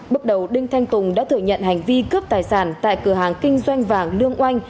bước đầu đinh thanh tùng đã thừa nhận hành vi cướp tài sản tại cửa hàng kinh doanh vàng lương oanh